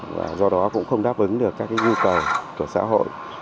và do đó cũng không đáp ứng được các nhu cầu của xã hội